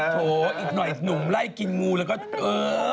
โถอีกหน่อยหนุ่มไล่กินงูแล้วก็เออ